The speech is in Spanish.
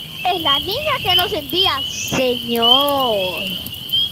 es la Niña que nos envía, señor...